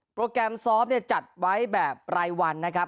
โปรแกรมซอฟต์เนี่ยจัดไว้แบบไรวันนะครับ